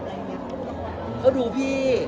เขาดูพี่